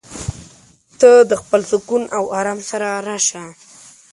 ته د خپل سکون او ارام سره راشه.